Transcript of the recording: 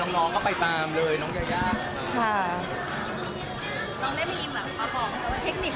ก็คือพี่ที่อยู่เชียงใหม่พี่อธค่ะ